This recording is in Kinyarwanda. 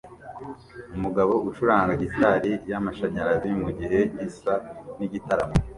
Umugabo ucuranga gitari yamashanyarazi mugihe gisa nigitaramo